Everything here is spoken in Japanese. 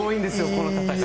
この戦い。